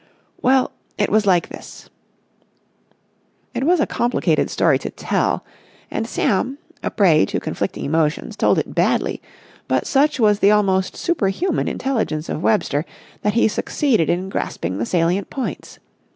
"Well, it was like this." It was a complicated story to tell, and Sam, a prey to conflicting emotions, told it badly; but such was the almost superhuman intelligence of Webster, that he succeeded in grasping the salient points.